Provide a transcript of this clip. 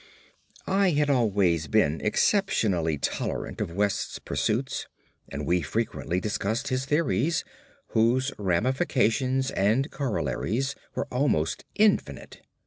I had always been exceptionally tolerant of West's pursuits, and we frequently discussed his theories, whose ramifications and corollaries were almost infinite.